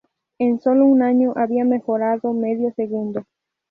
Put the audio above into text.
En solo un año había mejorado medio segundo.